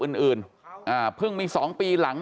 เมื่อยครับเมื่อยครับ